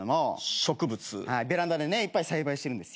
ベランダでいっぱい栽培してるんです。